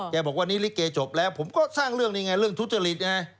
บอกว่านี่ลิเกจบแล้วผมก็สร้างเรื่องนี่ไงเรื่องทุจริตไง